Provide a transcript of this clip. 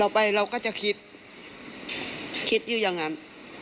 ไปเราก็จะคิดคิดอยู่อย่างนั้น